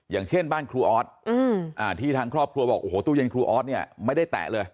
อย่างเช่นบ้านครูออสที่ทางครอบครัวบอกโอ้โหตู้เย็นครูออสเนี่ยไม่ได้แตะเลย